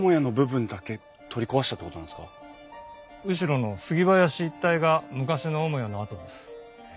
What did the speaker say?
後ろの杉林一帯が昔の主屋の跡です。